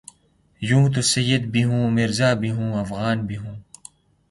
یوں تو سید بھی ہو مرزابھی ہوافغان بھی ہو